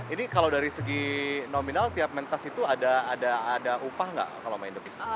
ini kalau dari segi nominal tiap mentas itu ada upah nggak kalau main dopisah